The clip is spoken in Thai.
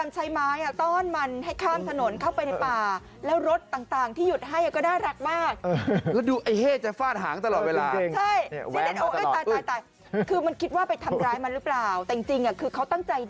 ใช่เนี่ยค่ะคือพยายามใช้ไม้อะ